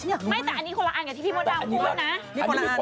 ใช่แต่อันนี้คนอ่านอีกที่พี่โมน่าวพูดนะ